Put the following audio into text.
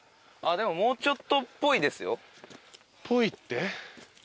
でももうちょっとっぽいですよ。っぽいって？